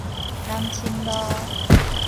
南深路